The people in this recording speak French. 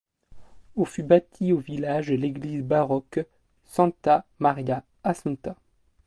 Au fut bâtie au village l'église baroque Santa Maria Assunta.